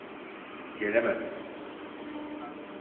Gelemezsin.